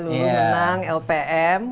lulu menang lpm